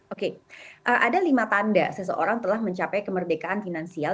oke ada lima tanda seseorang telah mencapai kemerdekaan finansial